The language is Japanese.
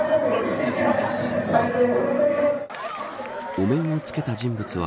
お面をつけた人物は